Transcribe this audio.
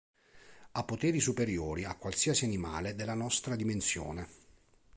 Ha poteri superiori a qualsiasi animale della nostra dimensione.